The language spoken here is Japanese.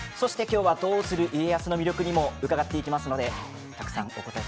「どうする家康」の魅力も伺っていきます。